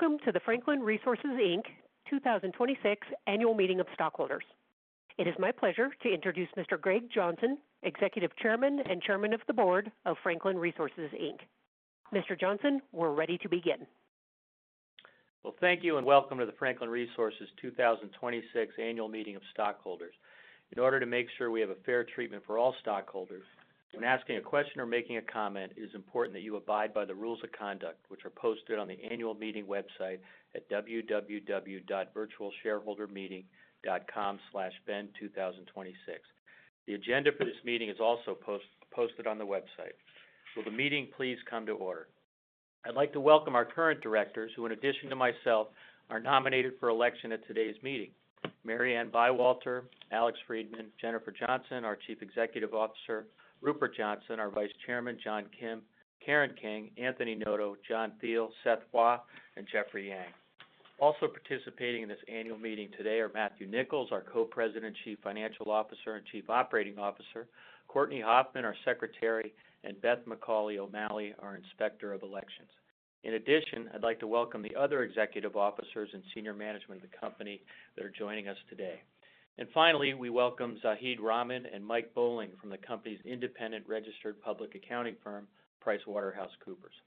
Welcome to the Franklin Resources Inc. 2026 Annual Meeting of Stockholders. It is my pleasure to introduce Mr. Greg Johnson, Executive Chairman and Chairman of the Board of Franklin Resources Inc. Mr. Johnson, we're ready to begin. Well, thank you and welcome to the Franklin Resources 2026 Annual Meeting of Stockholders. In order to make sure we have a fair treatment for all stockholders, when asking a question or making a comment, it is important that you abide by the rules of conduct which are posted on the annual meeting website at www.virtualshareholdermeeting.com/ben2026. The agenda for this meeting is also posted on the website. Will the meeting please come to order? I'd like to welcome our current directors who, in addition to myself, are nominated for election at today's meeting: Mariann Byerwalter, Alex Friedman, Jennifer Johnson, our Chief Executive Officer; Rupert Johnson, our Vice Chairman, John Kim, Karen King, Anthony Noto; John Thiel, Seth Waugh, and Geoffrey Yang. Also participating in this annual meeting today are Matthew Nicholls, our Co-President, Chief Financial Officer and Chief Operating Officer, Courtney Hoffman, our Secretary, and Beth McAuley O'Malley, our Inspector of Elections. In addition, I'd like to welcome the other executive officers and senior management of the company that are joining us today. And finally, we welcome Zahid Rahman and Mike Bowling from the company's independent registered public accounting firm, PricewaterhouseCoopers.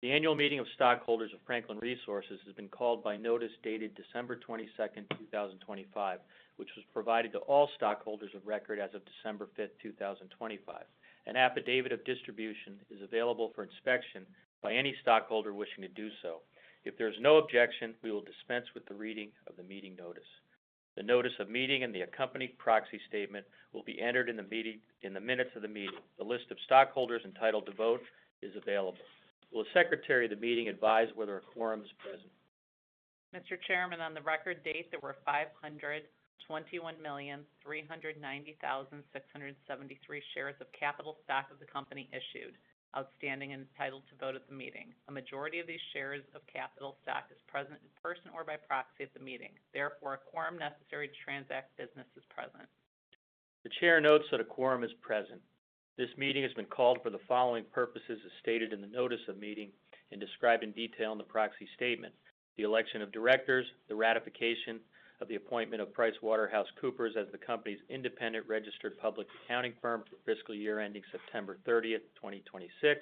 The annual meeting of stockholders of Franklin Resources has been called by notice dated December 22nd, 2025, which was provided to all stockholders of record as of December 5th, 2025. An affidavit of distribution is available for inspection by any stockholder wishing to do so. If there is no objection, we will dispense with the reading of the meeting notice. The notice of meeting and the accompanying proxy statement will be entered in the minutes of the meeting. The list of stockholders entitled to vote is available. Will the Secretary of the meeting advise whether a quorum is present? Mr. Chairman, on the record date, there were 521,390,673 shares of capital stock of the company issued, outstanding, and entitled to vote at the meeting. A majority of these shares of capital stock is present in person or by proxy at the meeting. Therefore, a quorum necessary to transact business is present. The Chair notes that a quorum is present. This meeting has been called for the following purposes as stated in the notice of meeting and described in detail in the Proxy Statement: the election of directors, the ratification of the appointment of PricewaterhouseCoopers as the company's independent registered public accounting firm for fiscal year ending September 30th, 2026,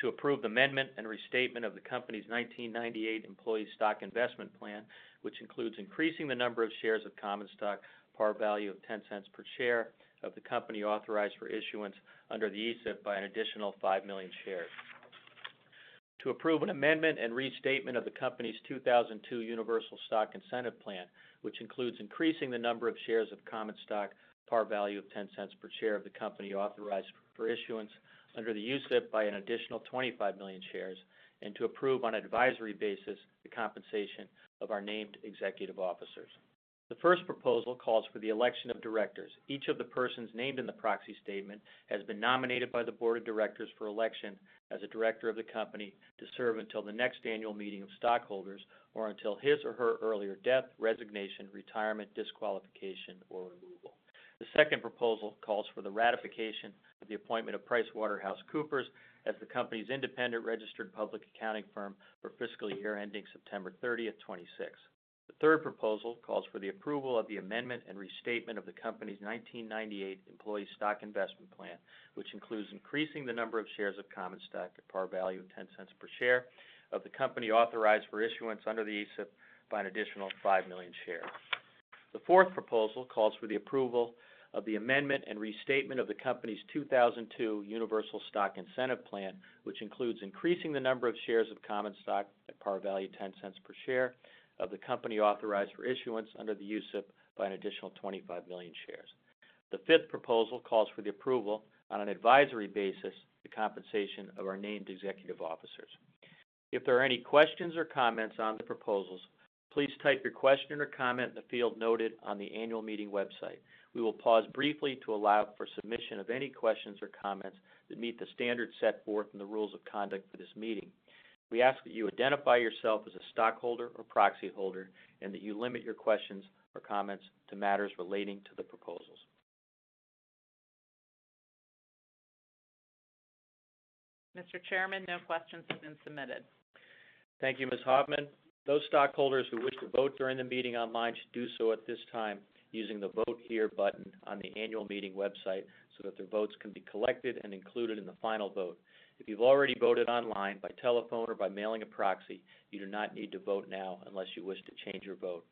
to approve the amendment and restatement of the company's 1998 Employee Stock Investment Plan, which includes increasing the number of shares of common stock par value of $0.10 per share of the company authorized for issuance under the USIP by an additional 5 million shares, to approve an amendment and restatement of the company's 2002 Universal Stock Incentive Plan, which includes increasing the number of shares of common stock par value of $0.10 per share of the company authorized for issuance under the ESIP by an additional 25 million shares, and to approve on an advisory basis the compensation of our named executive officers. The first proposal calls for the election of directors. Each of the persons named in the Proxy Statement has been nominated by the Board of Directors for election as a director of the company to serve until the next annual meeting of stockholders or until his or her earlier death, resignation, retirement, disqualification, or removal. The second proposal calls for the ratification of the appointment of PricewaterhouseCoopers as the company's independent registered public accounting firm for fiscal year ending September 30th, 2026. The third proposal calls for the approval of the amendment and restatement of the company's 1998 Employee Stock Investment Plan, which includes increasing the number of shares of common stock par value of $0.10 per share of the company authorized for issuance under the USIP by an additional 5 million shares. The fourth proposal calls for the approval of the amendment and restatement of the company's 2002 Universal Stock Incentive Plan, which includes increasing the number of shares of common stock at par value of $0.10 per share of the company authorized for issuance under the ESIP by an additional 25 million shares. The fifth proposal calls for the approval, on an advisory basis, the compensation of our named executive officers. If there are any questions or comments on the proposals, please type your question or comment in the field noted on the annual meeting website. We will pause briefly to allow for submission of any questions or comments that meet the standards set forth in the rules of conduct for this meeting. We ask that you identify yourself as a stockholder or proxy holder and that you limit your questions or comments to matters relating to the proposals. Mr. Chairman, no questions have been submitted. Thank you, Ms. Hoffman. Those stockholders who wish to vote during the meeting online should do so at this time using the Vote Here button on the annual meeting website so that their votes can be collected and included in the final vote. If you've already voted online by telephone or by mailing a proxy, you do not need to vote now unless you wish to change your vote.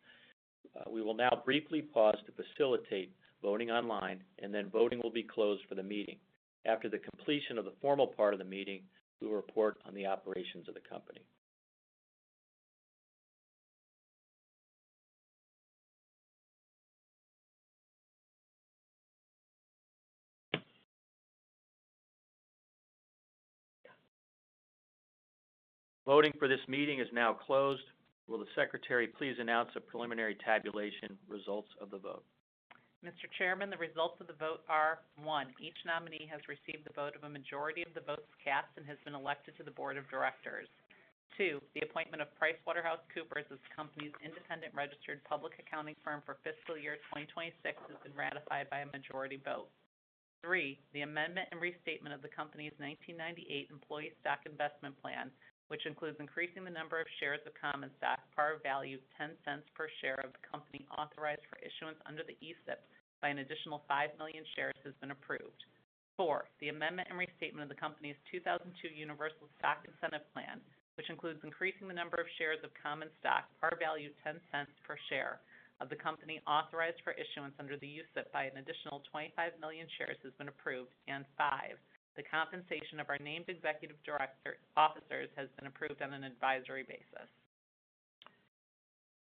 We will now briefly pause to facilitate voting online, and then voting will be closed for the meeting. After the completion of the formal part of the meeting, we will report on the operations of the company. Voting for this meeting is now closed. Will the Secretary please announce the preliminary tabulation results of the vote? Mr. Chairman, the results of the vote are: 1) Each nominee has received the vote of a majority of the votes cast and has been elected to the Board of Directors. 2) The appointment of PricewaterhouseCoopers as the company's independent registered public accounting firm for fiscal year twenty twenty-six has been ratified by a majority vote. 3) The amendment and restatement of the company's 1998 Employee Stock Investment Plan, which includes increasing the number of shares of common stock par value of $0.10 per share of the company authorized for issuance under the USIP by an additional 5 million shares, has been approved. 4) The amendment and restatement of the company's 2002 Universal Stock Incentive Plan, which includes increasing the number of shares of common stock par value of $0.10 per share of the company authorized for issuance under the ESIP by an additional 25 million shares, has been approved. 5) The compensation of our named executive director officers has been approved on an advisory basis.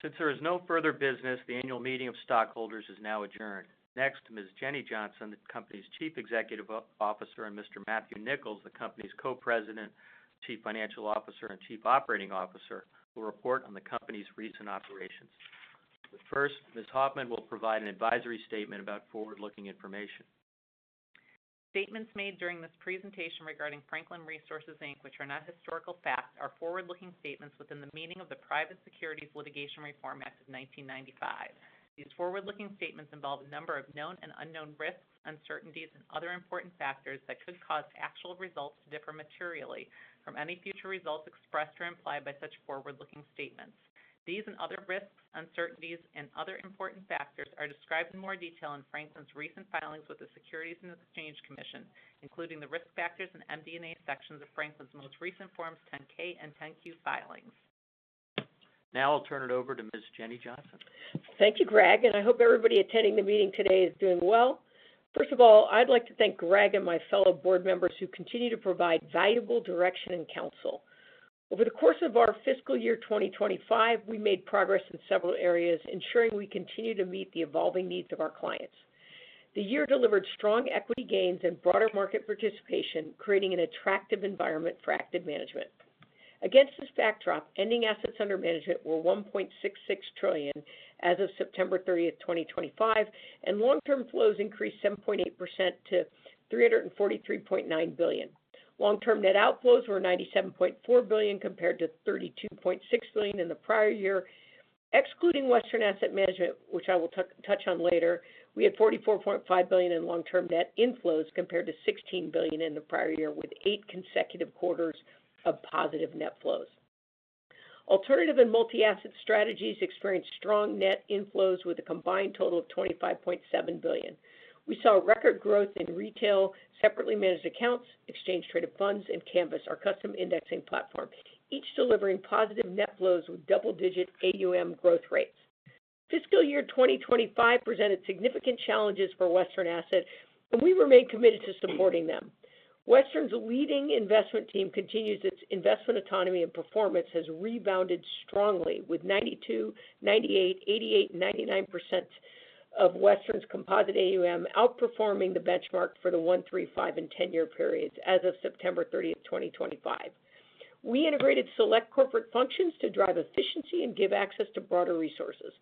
Since there is no further business, the annual meeting of stockholders is now adjourned. Next, Ms. Jenny Johnson, the company's Chief Executive Officer, and Mr. Matthew Nicholls, the company's Co-President, Chief Financial Officer, and Chief Operating Officer, will report on the company's recent operations. But first, Ms. Hoffman will provide an advisory statement about forward-looking information. Statements made during this presentation regarding Franklin Resources Inc., which are not historical facts, are forward-looking statements within the meaning of the Private Securities Litigation Reform Act of 1995. These forward-looking statements involve a number of known and unknown risks, uncertainties, and other important factors that could cause actual results to differ materially from any future results expressed or implied by such forward-looking statements. These and other risks, uncertainties, and other important factors are described in more detail in Franklin's recent filings with the Securities and Exchange Commission, including the risk factors and MD&A sections of Franklin's most recent Forms 10-K and 10-Q filings. Now I'll turn it over to Ms. Jenny Johnson. Thank you, Greg, and I hope everybody attending the meeting today is doing well. First of all, I'd like to thank Greg and my fellow board members who continue to provide valuable direction and counsel. Over the course of our fiscal year 2025, we made progress in several areas, ensuring we continue to meet the evolving needs of our clients. The year delivered strong equity gains and broader market participation, creating an attractive environment for active management. Against this backdrop, ending assets under management were $1.66 trillion as of September 30th, 2025, and long-term flows increased 7.8% to $343.9 billion. Long-term net outflows were $97.4 billion compared to $32.6 billion in the prior year. Excluding Western Asset Management, which I will touch on later, we had $44.5 billion in long-term net inflows compared to $16 billion in the prior year, with eight consecutive quarters of positive net flows. Alternative and multi-asset strategies experienced strong net inflows with a combined total of $25.7 billion. We saw record growth in retail, separately managed accounts, exchange-traded funds, and Canvas, our custom indexing platform, each delivering positive net flows with double-digit AUM growth rates. fiscal year 2025 presented significant challenges for Western Asset, and we remained committed to supporting them. Western's leading investment team continues its investment autonomy, and performance has rebounded strongly, with 92%, 98%, 88%, and 99% of Western's composite AUM outperforming the benchmark for the one, three, five, and ten-year periods as of September 30th, 2025. We integrated select corporate functions to drive efficiency and give access to broader resources.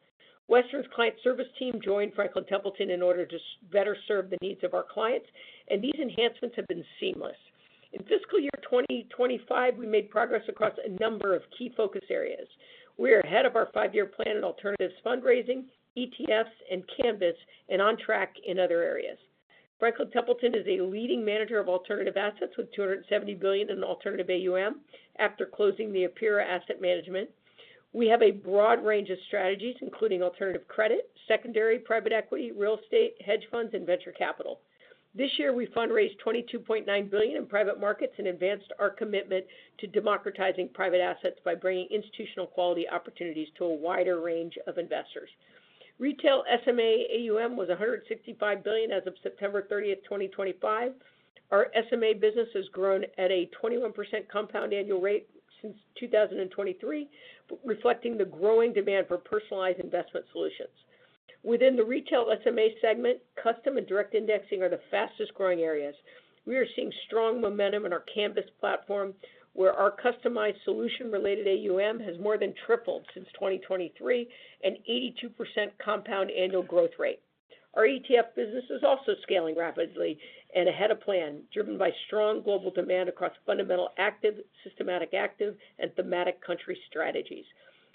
Western's client service team joined Franklin Templeton in order to better serve the needs of our clients, and these enhancements have been seamless. In fiscal year 2025, we made progress across a number of key focus areas. We are ahead of our 5-year plan in alternatives fundraising, ETFs, and Canvas, and on track in other areas. Franklin Templeton is a leading manager of alternative assets with $270 billion in alternative AUM after closing the Apera Asset Management. We have a broad range of strategies, including alternative credit, secondary private equity, real estate, hedge funds, and venture capital. This year, we fundraised $22.9 billion in private markets and advanced our commitment to democratizing private assets by bringing institutional quality opportunities to a wider range of investors. Retail SMA AUM was $165 billion as of September 30th, 2025. Our SMA business has grown at a 21% compound annual rate since 2023, reflecting the growing demand for personalized investment solutions. Within the retail SMA segment, custom and direct indexing are the fastest growing areas. We are seeing strong momentum in our Canvas platform, where our customized solution-related AUM has more than tripled since 2023, an 82% compound annual growth rate. Our ETF business is also scaling rapidly and ahead of plan, driven by strong global demand across fundamental active, systematic active, and thematic country strategies.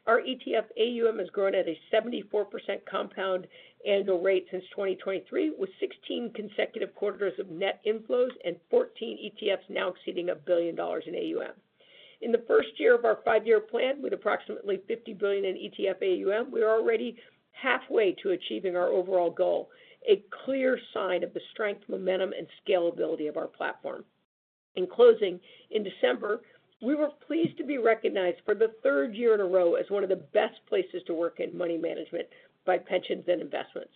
Our ETF AUM has grown at a 74% compound annual rate since 2023, with 16 consecutive quarters of net inflows and 14 ETFs now exceeding $1 billion in AUM. In the first year of our five-year plan, with approximately $50 billion in ETF AUM, we are already halfway to achieving our overall goal, a clear sign of the strength, momentum, and scalability of our platform. In closing, in December, we were pleased to be recognized for the third year in a row as one of the best places to work in money management by Pensions and Investments.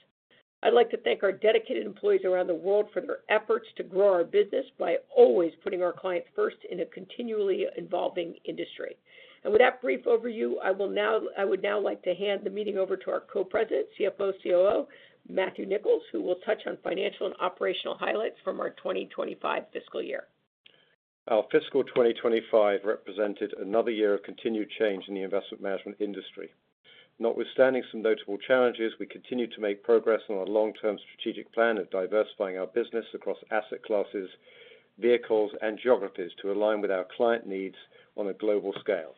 I'd like to thank our dedicated employees around the world for their efforts to grow our business by always putting our clients first in a continually evolving industry. With that brief overview, I would now like to hand the meeting over to our Co-President, CFO/COO, Matthew Nicholls, who will touch on financial and operational highlights from our 2025 fiscal year. Our fiscal 2025 represented another year of continued change in the investment management industry. Notwithstanding some notable challenges, we continue to make progress on our long-term strategic plan of diversifying our business across asset classes, vehicles, and geographies to align with our client needs on a global scale.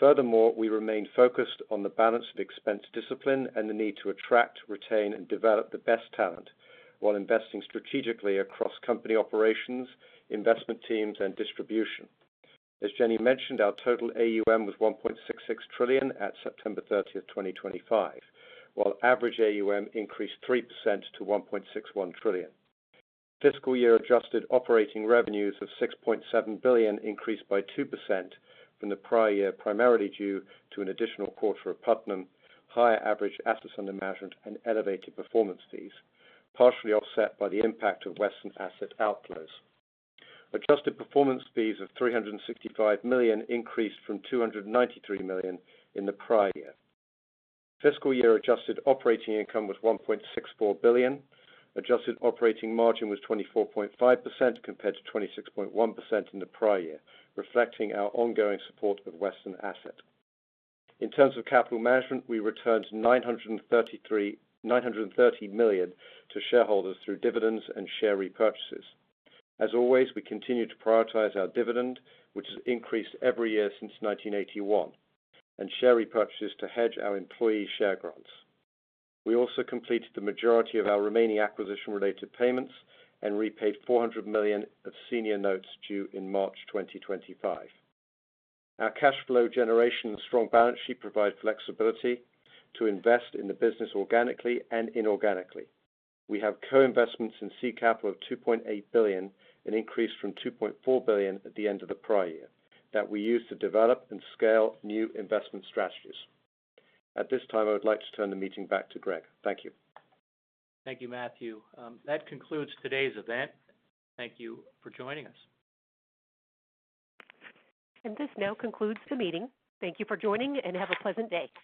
Furthermore, we remain focused on the balance of expense discipline and the need to attract, retain, and develop the best talent while investing strategically across company operations, investment teams, and distribution. As Jenny mentioned, our total AUM was $1.66 trillion at September 30th, 2025, while average AUM increased 3% to $1.61 trillion. Fiscal year adjusted operating revenues of $6.7 billion increased by 2% from the prior year, primarily due to an additional quarter of Putnam, higher average assets under management, and elevated performance fees, partially offset by the impact of Western Asset outflows. Adjusted performance fees of $365 million increased from $293 million in the prior year. Fiscal year adjusted operating income was $1.64 billion. Adjusted operating margin was 24.5% compared to 26.1% in the prior year, reflecting our ongoing support of Western Asset. In terms of capital management, we returned $930 million to shareholders through dividends and share repurchases. As always, we continue to prioritize our dividend, which has increased every year since 1981, and share repurchases to hedge our employee share grants. We also completed the majority of our remaining acquisition-related payments and repaid $400 million of senior notes due in March 2025. Our cash flow generation and strong balance sheet provide flexibility to invest in the business organically and inorganically. We have co-investments in seed capital of $2.8 billion, an increase from $2.4 billion at the end of the prior year, that we use to develop and scale new investment strategies. At this time, I would like to turn the meeting back to Greg. Thank you. Thank you, Matthew. That concludes today's event. Thank you for joining us. This now concludes the meeting. Thank you for joining, and have a pleasant day.